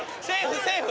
セーフ？